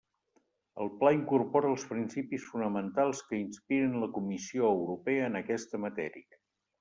El pla incorpora els principis fonamentals que inspiren la Comissió Europea en aquesta matèria.